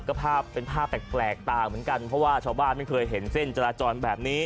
ก็ภาพเป็นภาพแปลกต่างเหมือนกันเพราะว่าชาวบ้านไม่เคยเห็นเส้นจราจรแบบนี้